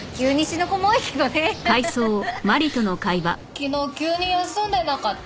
昨日急に休んでなかった？